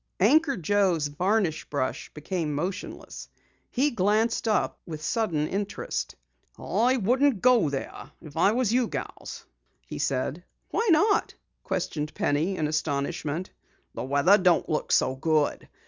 Anchor Joe's varnish brush became motionless. He glanced up with sudden interest. "I wouldn't go there if I was you gals," he said. "Why not?" questioned Penny in astonishment. "The weather don't look so good.